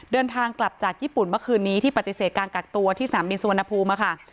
เดินทางกลับจากญี่ปุ่นเมื่อคืนนี้ที่ปฏิเสธการกักตัวที่สนามบินสุวรรณภูมิค่ะ